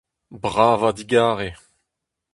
Bravañ digarez !